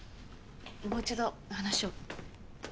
もう一度話を。